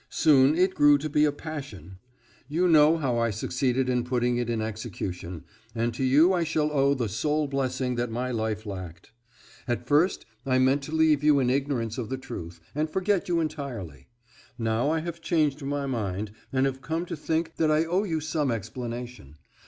Soon it grew to be a passion. You know how I succeeded in putting it in execution, and to you I shall owe the sole blessing that my life lacked. At first I meant to leave you in ignorance of the truth, and forget you entirely. Now I have changed my mind and have come to think that I owe you some explanation.